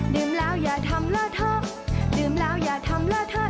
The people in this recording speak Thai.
ดื่มแล้วอย่าทำเลอะเถอะดื่มแล้วอย่าทำเลอะเถอะ